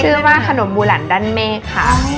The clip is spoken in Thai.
ชื่อว่าขนมบุหลันดันเมฆ